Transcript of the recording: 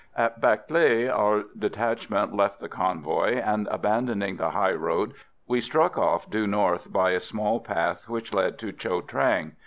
At Bac Lé our detachment left the convoy, and abandoning the highroad, we struck off due north by a small path which led to Cho Trang.